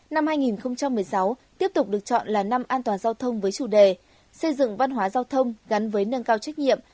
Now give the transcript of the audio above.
năm hai nghìn một mươi sáu tiếp tục được chọn là năm an toàn giao thông với chủ đề xây dựng văn hóa giao thông gắn với nâng cao trách nhiệm